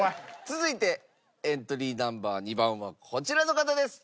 続いてエントリーナンバー２番はこちらの方です！